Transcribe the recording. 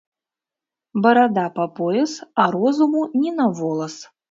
Барада па пояс, а розуму ні на волас